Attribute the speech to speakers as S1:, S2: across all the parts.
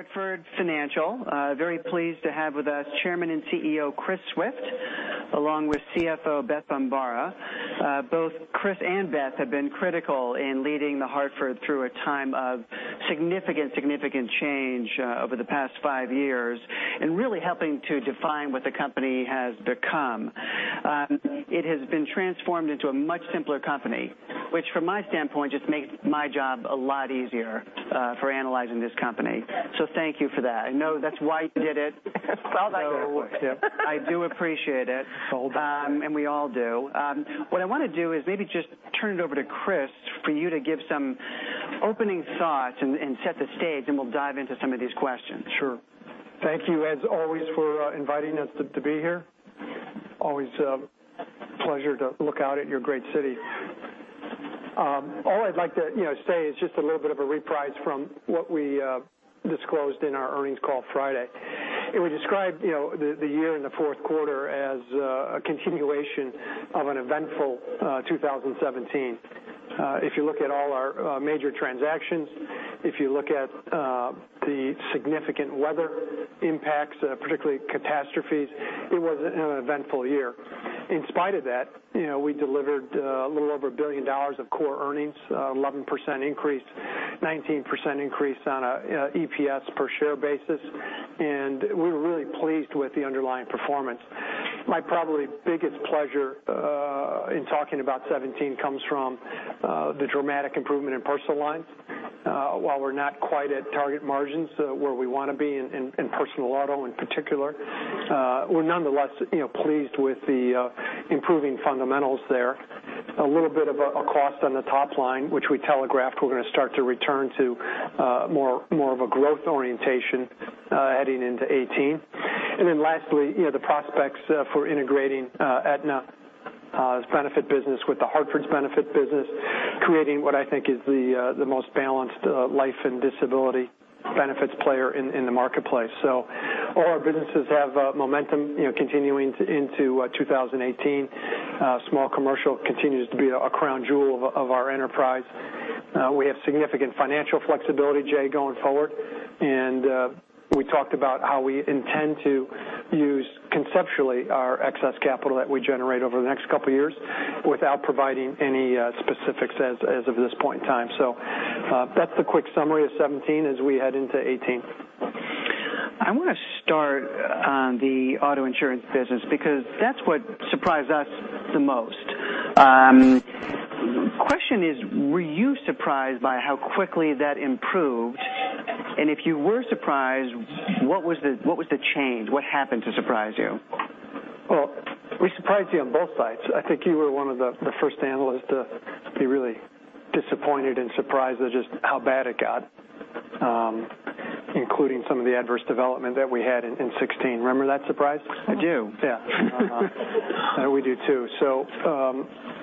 S1: Hartford Financial. Very pleased to have with us Chairman and CEO, Chris Swift, along with CFO, Beth Bombara. Both Chris and Beth have been critical in leading The Hartford through a time of significant change over the past five years, and really helping to define what the company has become. It has been transformed into a much simpler company, which from my standpoint, just makes my job a lot easier for analyzing this company. Thank you for that. I know that's why you did it.
S2: It's all about you.
S1: I do appreciate it.
S2: It's all about me.
S1: We all do. What I want to do is maybe just turn it over to Chris, for you to give some opening thoughts and set the stage, and we'll dive into some of these questions.
S3: Sure. Thank you as always for inviting us to be here. Always a pleasure to look out at your great city. All I'd like to say is just a little bit of a reprise from what we disclosed in our earnings call Friday. We described the year and the fourth quarter as a continuation of an eventful 2017. If you look at all our major transactions, if you look at the significant weather impacts, particularly catastrophes, it was an eventful year. In spite of that, we delivered a little over $1 billion of core earnings, 11% increase, 19% increase on a EPS per share basis. We were really pleased with the underlying performance. My probably biggest pleasure in talking about 2017 comes from the dramatic improvement in personal lines. While we're not quite at target margins where we want to be, in personal auto in particular, we're nonetheless pleased with the improving fundamentals there. A little bit of a cost on the top line, which we telegraphed we're going to start to return to more of a growth orientation heading into 2018. Then lastly, the prospects for integrating Aetna's benefit business with The Hartford's benefit business, creating what I think is the most balanced life and disability benefits player in the marketplace. All our businesses have momentum continuing into 2018. Small commercial continues to be a crown jewel of our enterprise. We have significant financial flexibility, Jay, going forward, and we talked about how we intend to use, conceptually, our excess capital that we generate over the next couple of years without providing any specifics as of this point in time. That's the quick summary of 2017 as we head into 2018.
S1: I want to start on the auto insurance business, because that's what surprised us the most. Question is, were you surprised by how quickly that improved? If you were surprised, what was the change? What happened to surprise you?
S3: Well, we surprised you on both sides. I think you were one of the first analysts to be really disappointed and surprised at just how bad it got, including some of the adverse development that we had in 2016. Remember that surprise?
S1: I do.
S3: Yeah. We do too.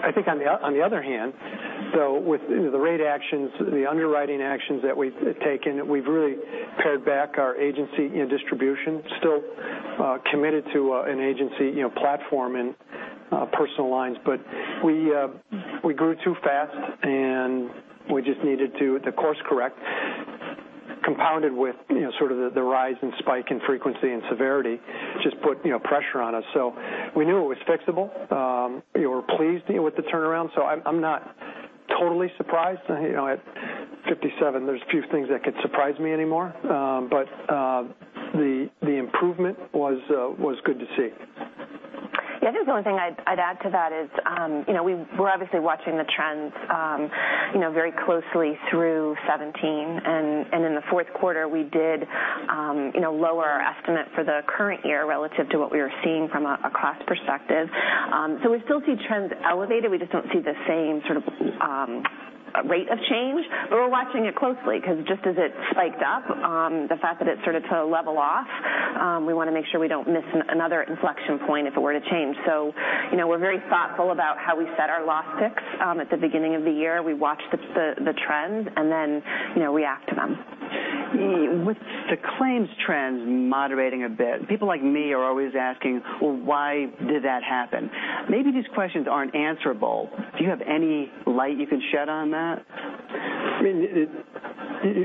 S3: I think on the other hand, so with the rate actions, the underwriting actions that we've taken, we've really pared back our agency and distribution. Still committed to an agency platform in personal lines. We grew too fast and we just needed to course correct, compounded with sort of the rise and spike in frequency and severity just put pressure on us. We knew it was fixable. We were pleased with the turnaround, so I'm not totally surprised. At 57, there's few things that could surprise me anymore. The improvement was good to see.
S2: I think the only thing I'd add to that is we were obviously watching the trends very closely through 2017. In the fourth quarter, we did lower our estimate for the current year relative to what we were seeing from a cost perspective. We still see trends elevated, we just don't see the same sort of rate of change. We're watching it closely because just as it spiked up, the fact that it started to level off, we want to make sure we don't miss another inflection point if it were to change. We're very thoughtful about how we set our loss picks at the beginning of the year. We watch the trends and then react to them.
S1: With the claims trends moderating a bit, people like me are always asking, "Why did that happen?" Maybe these questions aren't answerable. Do you have any light you can shed on that?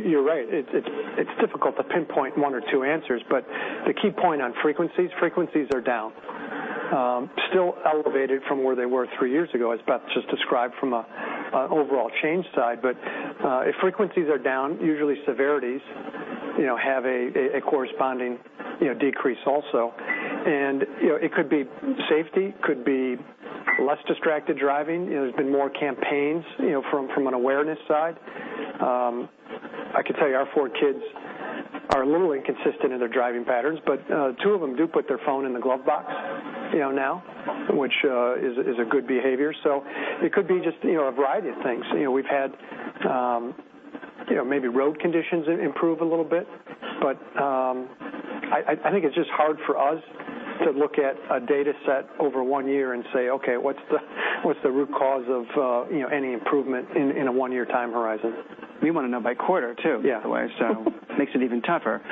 S3: You're right. It's difficult to pinpoint one or two answers, but the key point on frequencies are down. Still elevated from where they were three years ago, as Beth just described from an overall change side. If frequencies are down, usually severities have a corresponding decrease also. It could be safety, could be less distracted driving. There's been more campaigns from an awareness side. I can tell you our four kids are a little inconsistent in their driving patterns, but two of them do put their phone in the glove box now, which is a good behavior. It could be just a variety of things. We've had maybe road conditions improve a little bit. I think it's just hard for us to look at a data set over one year and say, "What's the root cause of any improvement in a one-year time horizon?
S1: We want to know by quarter, too, by the way.
S3: Yeah.
S1: Makes it even tougher.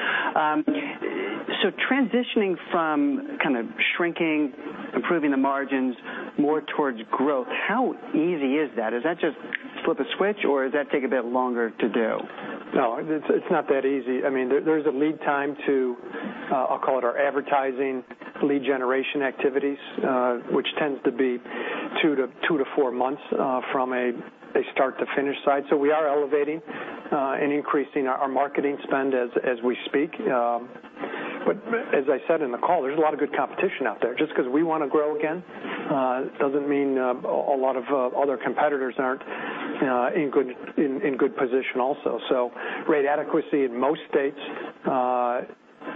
S1: Transitioning from kind of shrinking, improving the margins more towards growth, how easy is that? Is that just flip a switch or does that take a bit longer to do?
S3: No, it's not that easy. There's a lead time to, I'll call it our advertising lead generation activities which tends to be two to four months from a start to finish side. We are elevating and increasing our marketing spend as we speak. As I said in the call, there's a lot of good competition out there. Just because we want to grow again doesn't mean a lot of other competitors aren't in good position also. Rate adequacy in most states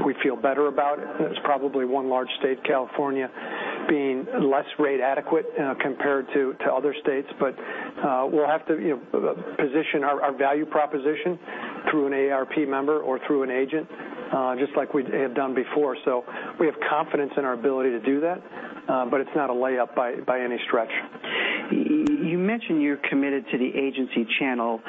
S3: we feel better about. There's probably one large state, California, being less rate adequate compared to other states. We'll have to position our value proposition through an AARP member or through an agent just like we have done before. We have confidence in our ability to do that. It's not a layup by any stretch.
S1: You mentioned you're committed to the agency channel.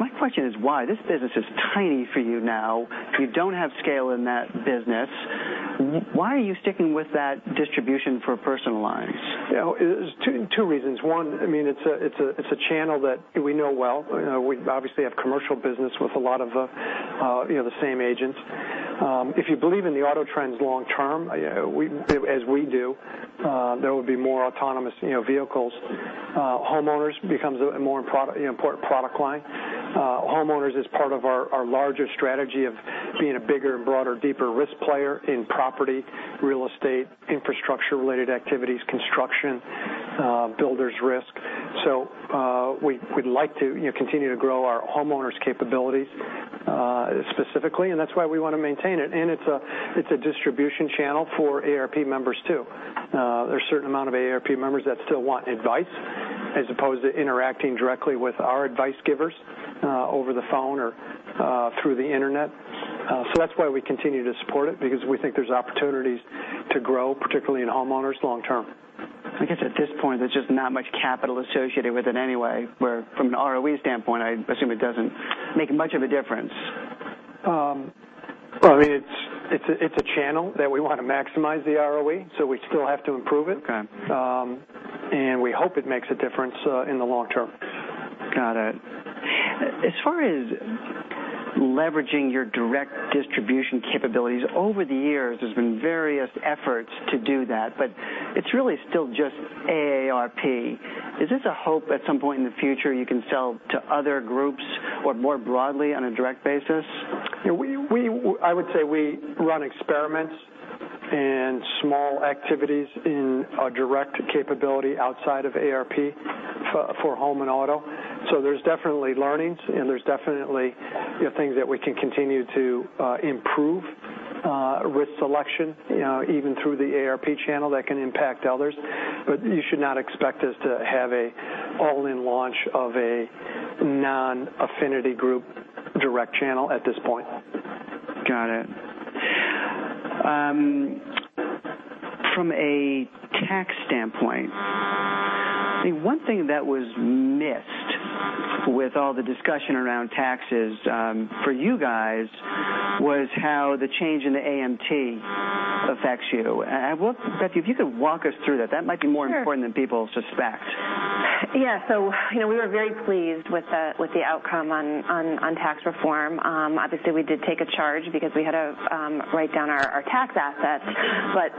S1: My question is why? This business is tiny for you now. You don't have scale in that business. Why are you sticking with that distribution for personal lines?
S3: There's two reasons. One, it's a channel that we know well. We obviously have commercial business with a lot of the same agents. If you believe in the auto trends long term as we do, there will be more autonomous vehicles. Homeowners becomes a more important product line. Homeowners is part of our larger strategy of being a bigger and broader, deeper risk player in property, real estate, infrastructure-related activities, construction, builders risk. We'd like to continue to grow our homeowners capabilities specifically, and that's why we want to maintain it. It's a distribution channel for AARP members, too. There's a certain amount of AARP members that still want advice as opposed to interacting directly with our advice givers over the phone or through the internet. That's why we continue to support it, because we think there's opportunities to grow, particularly in homeowners long term.
S1: I guess at this point, there's just not much capital associated with it anyway, where from an ROE standpoint, I assume it doesn't make much of a difference.
S3: It's a channel that we want to maximize the ROE, so we still have to improve it.
S1: Okay.
S3: We hope it makes a difference in the long term.
S1: Got it. As far as leveraging your direct distribution capabilities, over the years, there's been various efforts to do that, but it's really still just AARP. Is this a hope at some point in the future you can sell to other groups or more broadly on a direct basis?
S3: I would say we run experiments and small activities in our direct capability outside of AARP for home and auto. There's definitely learnings and there's definitely things that we can continue to improve with selection even through the AARP channel that can impact others. You should not expect us to have an all-in launch of a non-affinity group direct channel at this point.
S1: Got it. From a tax standpoint, the one thing that was missed with all the discussion around taxes for you guys was how the change in the AMT affects you. Beth, if you could walk us through that.
S2: Sure
S1: Important than people suspect.
S2: Yeah. We were very pleased with the outcome on tax reform. Obviously, we did take a charge because we had to write down our tax assets.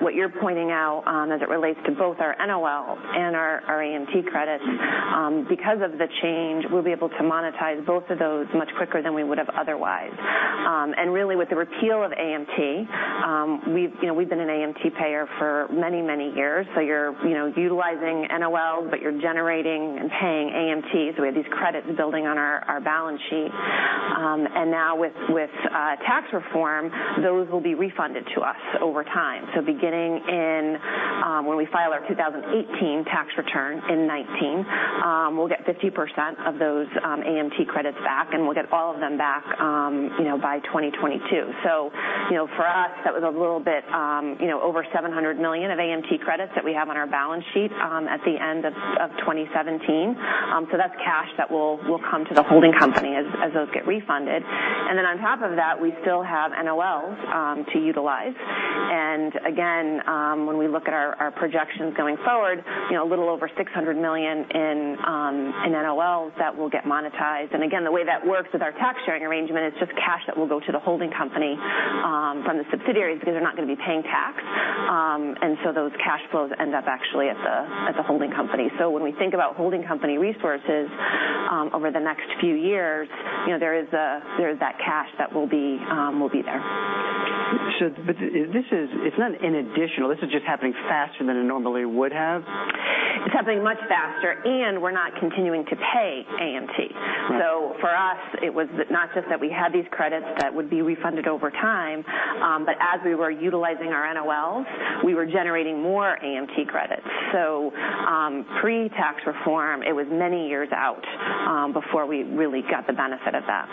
S2: What you're pointing out as it relates to both our NOL and our AMT credits because of the change, we'll be able to monetize both of those much quicker than we would have otherwise. Really, with the repeal of AMT, we've been an AMT payer for many, many years, so you're utilizing NOLs, but you're generating and paying AMTs. We have these credits building on our balance sheet. Now with tax reform, those will be refunded to us over time. Beginning in when we file our 2018 tax return in 2019, we'll get 50% of those AMT credits back, and we'll get all of them back by 2022. For us, that was a little bit over $700 million of AMT credits that we have on our balance sheet at the end of 2017. That's cash that will come to the holding company as those get refunded. On top of that, we still have NOLs to utilize. Again, when we look at our projections going forward, a little over $600 million in NOLs that will get monetized. Again, the way that works with our tax-sharing arrangement is just cash that will go to the holding company from the subsidiaries because they're not going to be paying tax. Those cash flows end up actually at the holding company. When we think about holding company resources over the next few years, there is that cash that will be there.
S1: It's not an additional, this is just happening faster than it normally would have?
S2: It's happening much faster, and we're not continuing to pay AMT.
S1: Right.
S2: For us, it was not just that we had these credits that would be refunded over time but as we were utilizing our NOLs, we were generating more AMT credits. Pre-tax reform, it was many years out before we really got the benefit of that.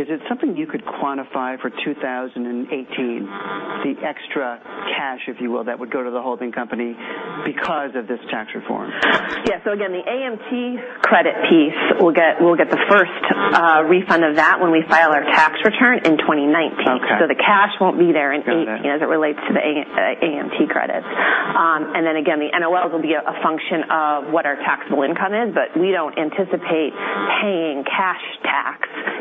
S1: Is it something you could quantify for 2018, the extra cash, if you will, that would go to the holding company because of this tax reform?
S2: Yeah. Again, the AMT credit piece, we'll get the first refund of that when we file our tax return in 2019.
S1: Okay.
S2: The cash won't be there in 2018.
S1: Got it
S2: as it relates to the AMT credits. Then again, the NOLs will be a function of what our taxable income is, we don't anticipate paying cash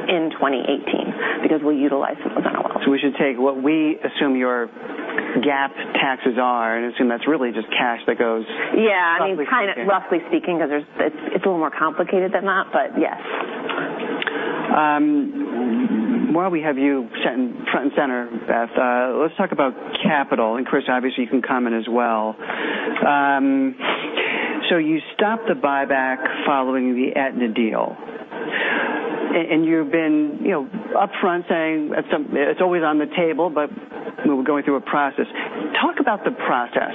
S2: in 2018, because we'll utilize some of that allowance.
S1: We should take what we assume your GAAP taxes are, assume that's really just cash.
S2: Yeah.
S1: Roughly speaking.
S2: Roughly speaking, because it's a little more complicated than that, but yes.
S1: While we have you sitting front and center, Beth, let's talk about capital, and Chris, obviously, you can comment as well. You stopped the buyback following the Aetna deal, and you've been upfront saying it's always on the table, but we're going through a process. Talk about the process.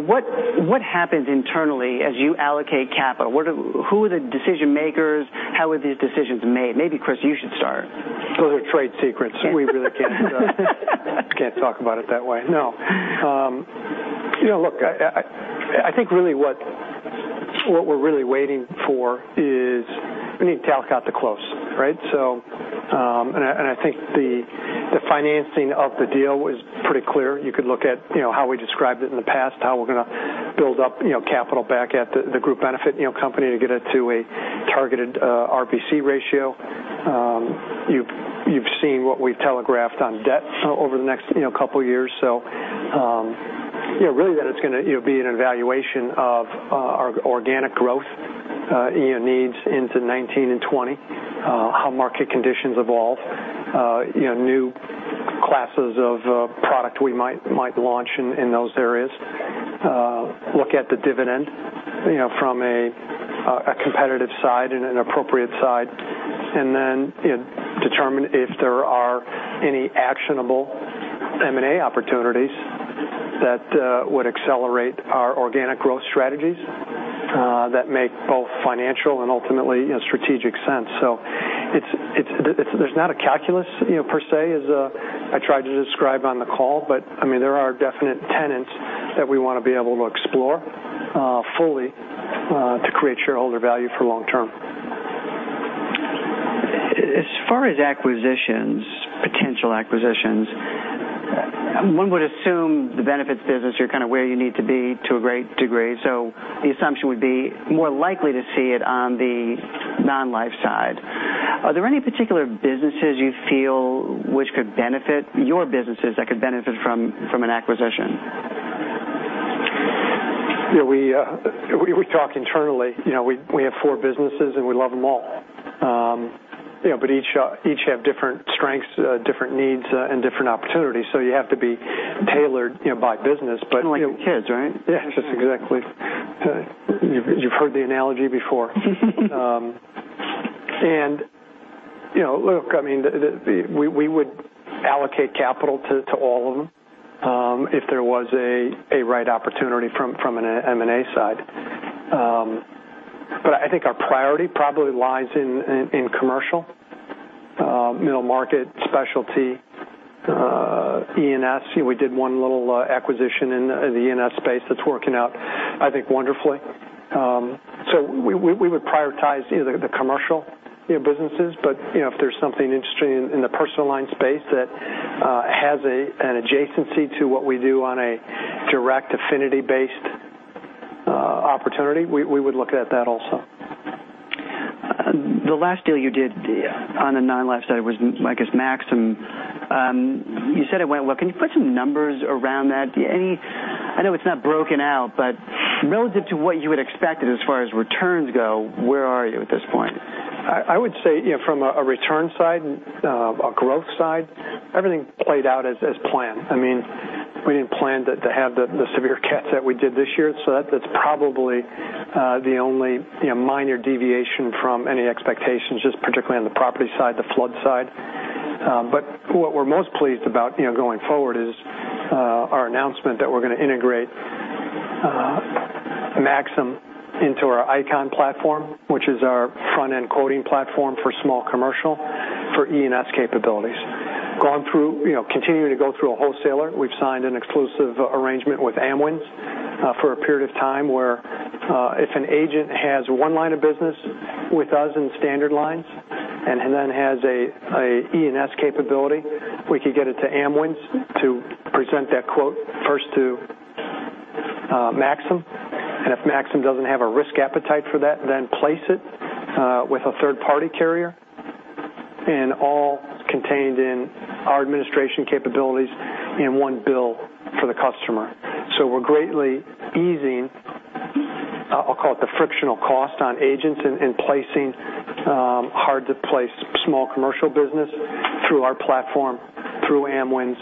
S1: What happens internally as you allocate capital? Who are the decision-makers? How are these decisions made? Maybe, Chris, you should start.
S3: Those are trade secrets. We really can't talk about it that way. No. Look, I think really what we're really waiting for is we need Talcott to close, right? I think the financing of the deal is pretty clear. You could look at how we described it in the past, how we're going to build up capital back at the group benefit company to get it to a targeted RBC ratio. You've seen what we've telegraphed on debt over the next couple of years. Really that it's going to be an evaluation of our organic growth needs into 2019 and 2020, how market conditions evolve, new classes of product we might launch in those areas. Look at the dividend from a competitive side and an appropriate side, and then determine if there are any actionable M&A opportunities that would accelerate our organic growth strategies, that make both financial and ultimately strategic sense. There's not a calculus per se, as I tried to describe on the call, but there are definite tenets that we want to be able to explore fully to create shareholder value for long term.
S1: As far as acquisitions, potential acquisitions, one would assume the benefits business, you're kind of where you need to be to a great degree, so the assumption would be more likely to see it on the non-life side. Are there any particular businesses you feel which could benefit your businesses, that could benefit from an acquisition?
S3: We talk internally. We have four businesses, and we love them all. Each have different strengths, different needs, and different opportunities. You have to be tailored by business, but
S1: Like kids, right?
S3: Yeah, just exactly. You've heard the analogy before. Look, we would allocate capital to all of them, if there was a right opportunity from an M&A side. I think our priority probably lies in commercial, middle market specialty, E&S. We did one little acquisition in the E&S space that's working out, I think, wonderfully. We would prioritize the commercial businesses, but if there's something interesting in the personal line space that has an adjacency to what we do on a direct affinity-based opportunity, we would look at that also.
S1: The last deal you did on the non-life side was, I guess, Maxum. You said it went well. Can you put some numbers around that? I know it's not broken out, but relative to what you had expected as far as returns go, where are you at this point?
S3: I would say from a return side, a growth side, everything played out as planned. We didn't plan to have the severe cats that we did this year, that's probably the only minor deviation from any expectations, just particularly on the property side, the flood side. What we're most pleased about going forward is our announcement that we're going to integrate Maxum into our ICON platform, which is our front-end quoting platform for small commercial, for E&S capabilities. Continuing to go through a wholesaler, we've signed an exclusive arrangement with Amwins for a period of time where if an agent has one line of business with us in standard lines and then has an E&S capability, we could get it to Amwins to present that quote first to Maxum, and if Maxum doesn't have a risk appetite for that, then place it with a third-party carrier, and all contained in our administration capabilities in one bill for the customer. We're greatly easing, I'll call it the frictional cost on agents in placing hard-to-place small commercial business through our platform, through Amwins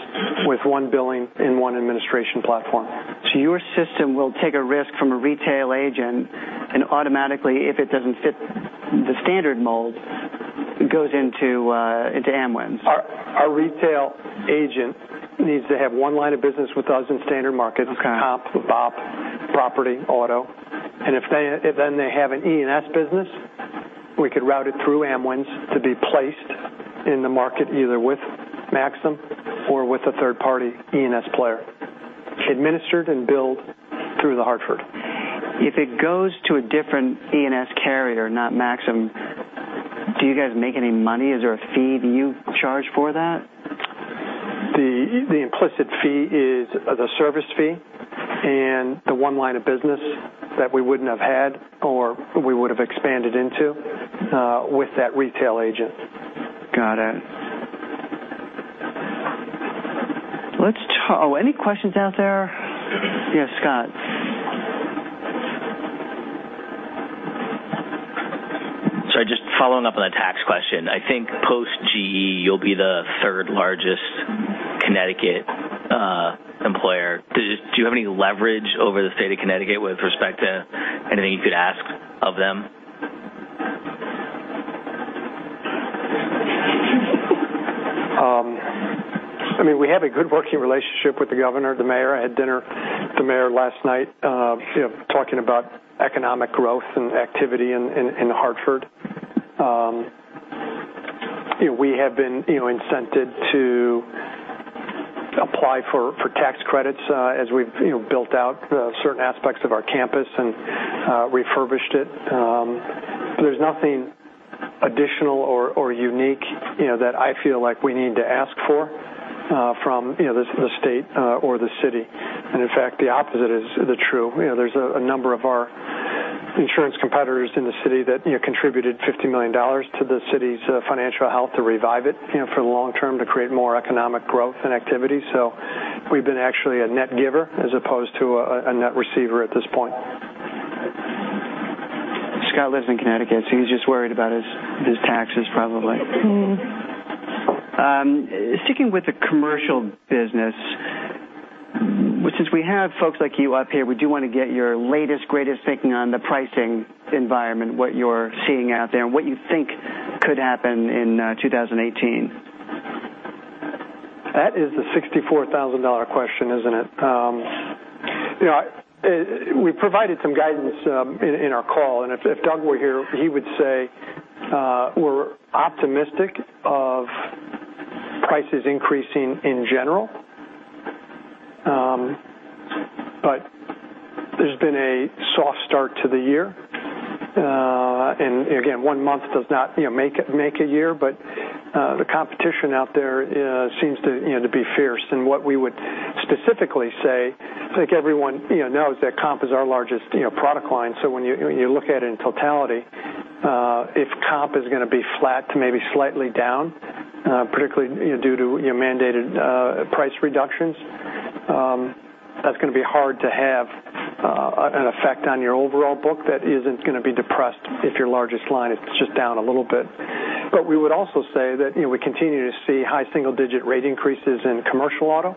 S3: with one billing and one administration platform.
S1: Your system will take a risk from a retail agent and automatically, if it doesn't fit the standard mold, goes into Amwins.
S3: Our retail agent needs to have one line of business with us in standard markets.
S1: Okay.
S3: COMP, BOP, property, auto. If then they have an E&S business, we could route it through Amwins to be placed in the market, either with Maxum or with a third-party E&S player, administered and billed through The Hartford.
S1: If it goes to a different E&S carrier, not Maxum, do you guys make any money? Is there a fee that you charge for that?
S3: The implicit fee is the service fee and the one line of business that we wouldn't have had, or we would've expanded into with that retail agent.
S1: Got it. Any questions out there? Yes, Scott.
S4: Sorry, just following up on the tax question. I think post-GE, you'll be the third-largest Connecticut employer. Do you have any leverage over the State of Connecticut with respect to anything you could ask of them?
S3: We have a good working relationship with the governor, the mayor. I had dinner with the mayor last night, talking about economic growth and activity in Hartford. We have been incented to apply for tax credits as we've built out certain aspects of our campus and refurbished it. There's nothing additional or unique that I feel like we need to ask for from the state or the city. In fact, the opposite is true. There's a number of our insurance competitors in the city that contributed $50 million to the city's financial health to revive it for the long term to create more economic growth and activity. We've been actually a net giver as opposed to a net receiver at this point.
S1: Scott lives in Connecticut, he's just worried about his taxes, probably. Sticking with the commercial business, since we have folks like you up here, we do want to get your latest, greatest thinking on the pricing environment, what you're seeing out there, and what you think could happen in 2018.
S3: That is the $64,000 question, isn't it? If Doug were here, he would say we're optimistic of prices increasing in general. There's been a soft start to the year. Again, one month does not make a year, but the competition out there seems to be fierce. What we would specifically say, I think everyone knows that COMP is our largest product line. When you look at it in totality, if COMP is going to be flat to maybe slightly down, particularly due to mandated price reductions, that's going to be hard to have an effect on your overall book that isn't going to be depressed if your largest line is just down a little bit. We would also say that we continue to see high single-digit rate increases in commercial auto.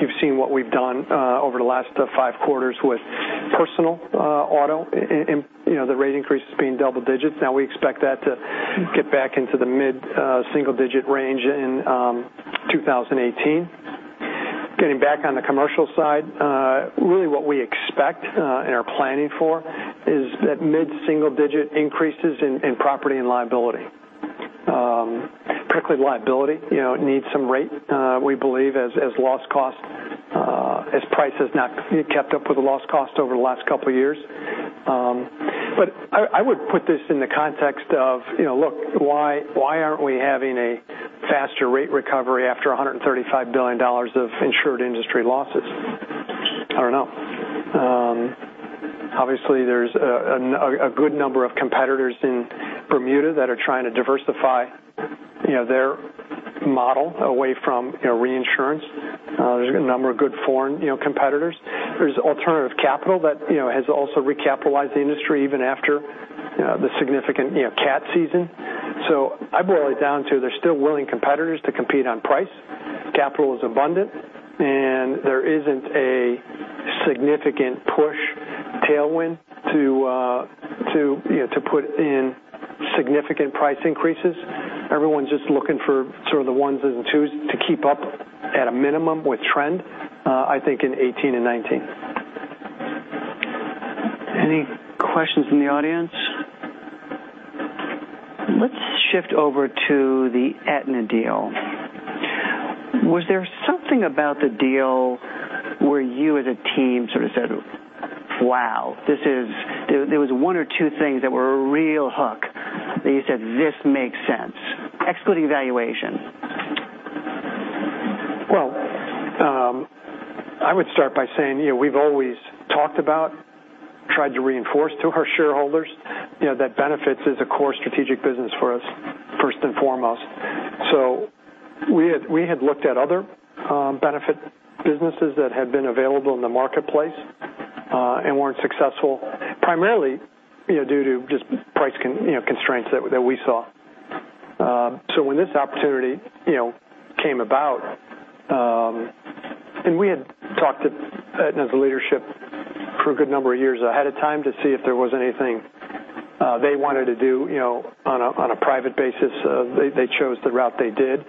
S3: You've seen what we've done over the last five quarters with personal auto, the rate increases being double digits. We expect that to get back into the mid-single digit range in 2018. Getting back on the commercial side, really what we expect and are planning for is that mid-single digit increases in property and liability. Particularly liability needs some rate, we believe, as price has not kept up with the loss cost over the last couple of years. I would put this in the context of, look, why aren't we having a faster rate recovery after $135 billion of insured industry losses? I don't know. Obviously, there's a good number of competitors in Bermuda that are trying to diversify their model away from reinsurance. There's a number of good foreign competitors. There's alternative capital that has also recapitalized the industry even after the significant cat season. I boil it down to there's still willing competitors to compete on price. Capital is abundant, and there isn't a significant push tailwind to put in significant price increases. Everyone's just looking for sort of the ones and twos to keep up at a minimum with trend, I think in 2018 and 2019.
S1: Any questions from the audience? Let's shift over to the Aetna deal. Was there something about the deal where you as a team sort of said, "Wow." There was one or two things that were a real hook that you said, "This makes sense." Excluding valuation.
S3: I would start by saying we've always talked about, tried to reinforce to our shareholders that benefits is a core strategic business for us, first and foremost. We had looked at other benefit businesses that had been available in the marketplace and weren't successful, primarily due to just price constraints that we saw. When this opportunity came about, and we had talked to Aetna's leadership for a good number of years ahead of time to see if there was anything they wanted to do on a private basis. They chose the route they did,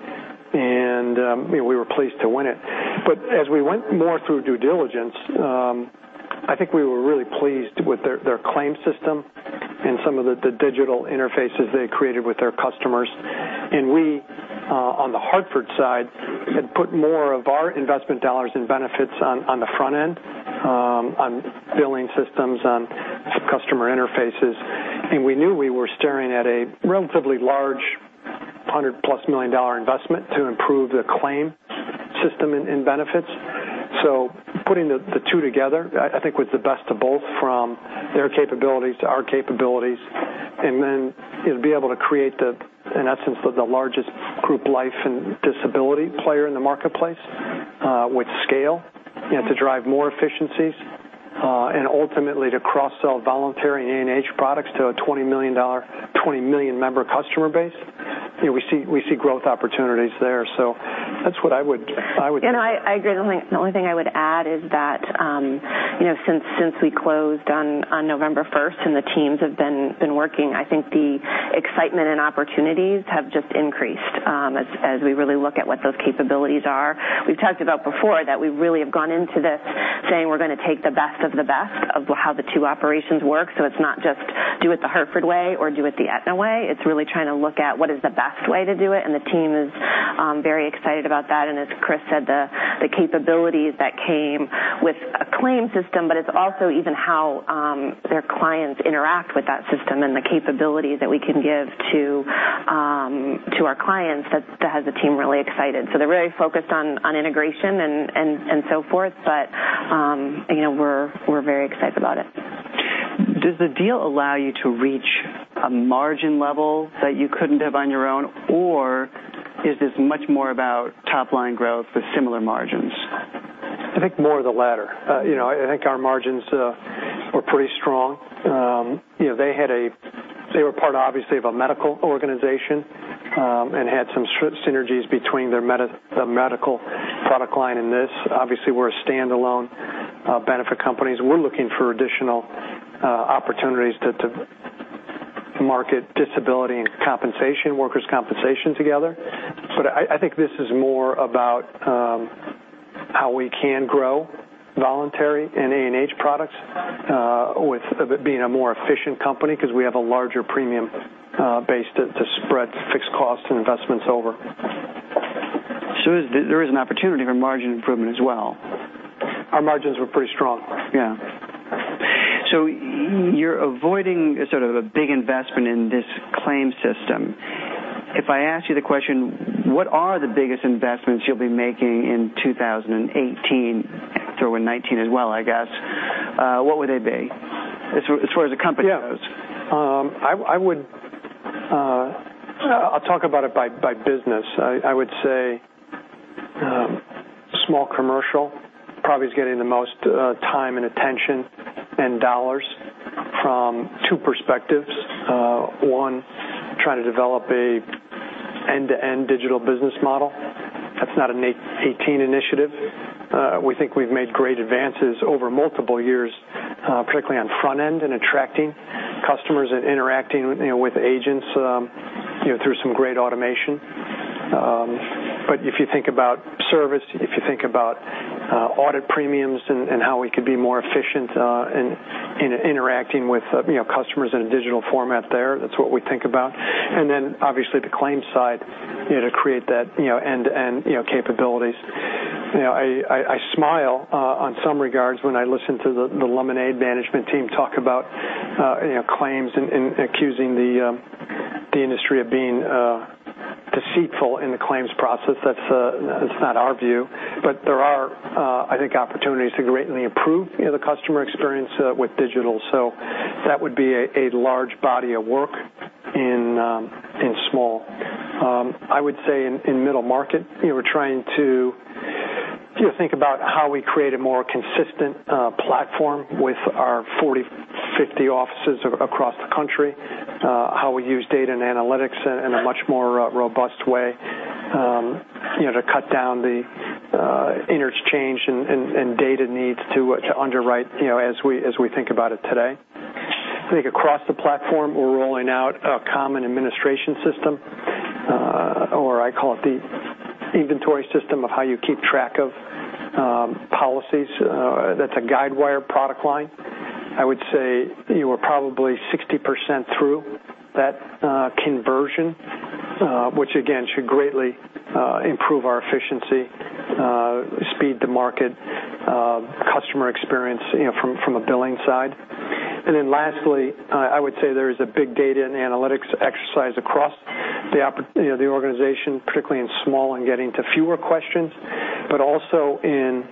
S3: and we were pleased to win it. As we went more through due diligence, I think we were really pleased with their claims system and some of the digital interfaces they had created with their customers. We, on The Hartford side, had put more of our investment dollars and benefits on the front end, on billing systems, on customer interfaces. We knew we were staring at a relatively large $100-plus million investment to improve the claim system in benefits. Putting the two together, I think with the best of both from their capabilities to our capabilities, and then be able to create, in essence, the largest group life and disability player in the marketplace with scale to drive more efficiencies, and ultimately to cross-sell voluntary A&H products to a 20 million member customer base. We see growth opportunities there. That's what I would.
S2: I agree. The only thing I would add is that since we closed on November 1st and the teams have been working, I think the excitement and opportunities have just increased as we really look at what those capabilities are. We've talked about before that we really have gone into this saying we're going to take the best of the best of how the two operations work. It's not just do it The Hartford way or do it the Aetna way. It's really trying to look at what is the best way to do it, and the team is very excited about that. As Chris said, the capabilities that came with a claim system, but it's also even how their clients interact with that system and the capabilities that we can give to our clients, that has the team really excited. They're very focused on integration and so forth. We're very excited about it.
S1: Does the deal allow you to reach a margin level that you couldn't have on your own? Or is this much more about top-line growth with similar margins?
S3: I think more of the latter. I think our margins were pretty strong. They were part, obviously, of a medical organization, and had some synergies between their medical product line and this. Obviously, we're a standalone benefit company. We're looking for additional opportunities to market disability and workers' compensation together. I think this is more about how we can grow voluntary and A&H products, with it being a more efficient company because we have a larger premium base to spread fixed costs and investments over. There is an opportunity for margin improvement as well. Our margins were pretty strong.
S1: Yeah. You're avoiding sort of a big investment in this claim system. If I ask you the question, what are the biggest investments you'll be making in 2018, throw in 2019 as well, I guess, what would they be, as far as the company goes?
S3: Yeah. I will talk about it by business. I would say small commercial probably is getting the most time and attention and dollars from two perspectives. One, trying to develop an end-to-end digital business model. That is not an 2018 initiative. We think we have made great advances over multiple years, particularly on front end in attracting customers and interacting with agents through some great automation. If you think about service, if you think about audit premiums and how we could be more efficient in interacting with customers in a digital format there, that is what we think about. Obviously the claims side to create that end-to-end capabilities. I smile on some regards when I listen to the Lemonade management team talk about claims and accusing the industry of being deceitful in the claims process. That is not our view. There are, I think, opportunities to greatly improve the customer experience with digital. That would be a large body of work in small. I would say in middle market, we are trying to think about how we create a more consistent platform with our 40, 50 offices across the country, how we use data and analytics in a much more robust way to cut down the interchange and data needs to underwrite as we think about it today. I think across the platform, we are rolling out a common administration system, or I call it the inventory system of how you keep track of policies. That is a Guidewire product line. I would say we are probably 60% through that conversion, which again, should greatly improve our efficiency, speed to market, customer experience from a billing side. Lastly, I would say there is a big data and analytics exercise across the organization, particularly in small and getting to fewer questions, but also in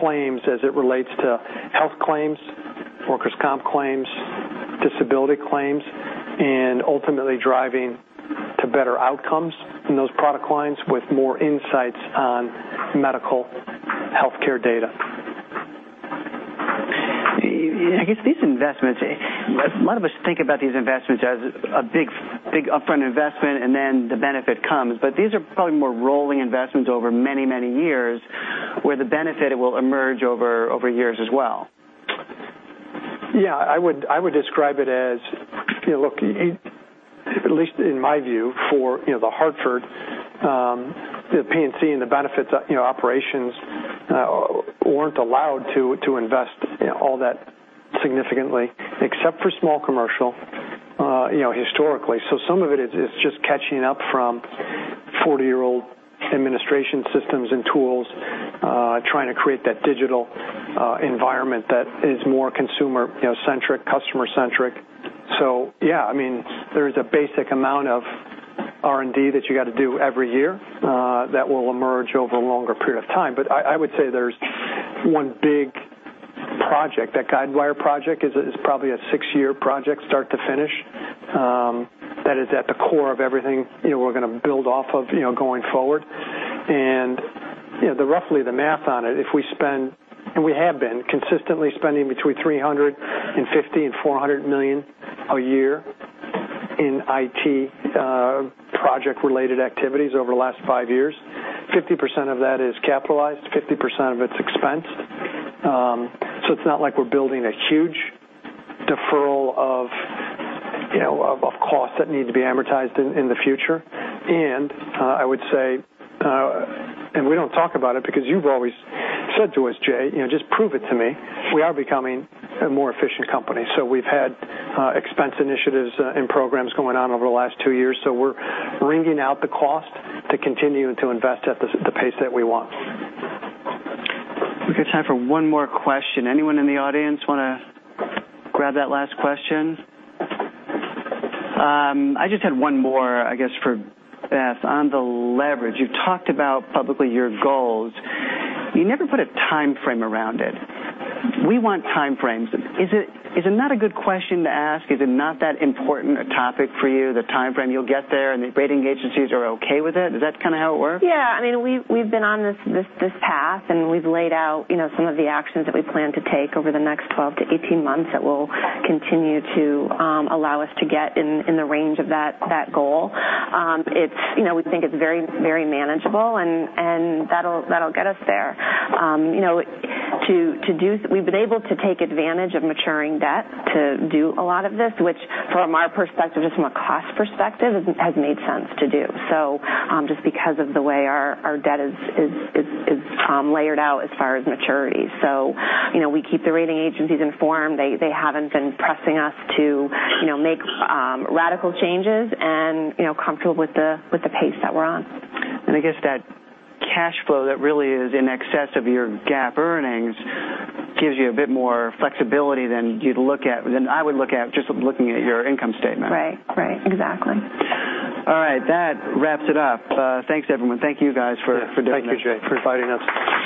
S3: claims as it relates to health claims, workers' COMP claims, disability claims, and ultimately driving to better outcomes in those product lines with more insights on medical healthcare data. I guess these investments, a lot of us think about these investments as a big upfront investment, and then the benefit comes. These are probably more rolling investments over many, many years, where the benefit will emerge over years as well. I would describe it as, look, at least in my view, for The Hartford, the P&C and the benefits operations weren't allowed to invest all that significantly, except for small commercial, historically. Some of it is just catching up from 40-year-old administration systems and tools, trying to create that digital environment that is more consumer-centric, customer-centric. There is a basic amount of R&D that you got to do every year that will emerge over a longer period of time. I would say there's one big project. That Guidewire project is probably a six-year project start to finish. That is at the core of everything we're going to build off of going forward. Roughly the math on it, if we spend, and we have been consistently spending between $350 million and $400 million a year in IT project-related activities over the last five years, 50% of that is capitalized, 50% of it's expense. It's not like we're building a huge deferral of costs that need to be amortized in the future. I would say, and we don't talk about it because you've always said to us, Jay, "Just prove it to me." We are becoming a more efficient company. We've had expense initiatives and programs going on over the last two years. We're wringing out the cost to continue to invest at the pace that we want.
S1: We've got time for one more question. Anyone in the audience want to grab that last question? I just had one more, I guess, for Beth. On the leverage, you've talked about publicly your goals. You never put a timeframe around it. We want timeframes. Is it not a good question to ask? Is it not that important a topic for you, the timeframe? You'll get there, and the rating agencies are okay with it. Is that kind of how it works?
S2: We've been on this path, and we've laid out some of the actions that we plan to take over the next 12 to 18 months that will continue to allow us to get in the range of that goal. We think it's very manageable, and that'll get us there. We've been able to take advantage of maturing debt to do a lot of this, which from our perspective, just from a cost perspective, has made sense to do. Just because of the way our debt is layered out as far as maturity. We keep the rating agencies informed. They haven't been pressing us to make radical changes and comfortable with the pace that we're on.
S1: I guess that cash flow that really is in excess of your GAAP earnings gives you a bit more flexibility than I would look at just looking at your income statement.
S2: Right. Exactly.
S1: All right. That wraps it up. Thanks, everyone. Thank you guys for doing this.
S3: Thank you, Jay, for inviting us.